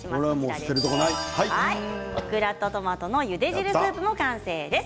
オクラとトマトのゆで汁スープの完成です。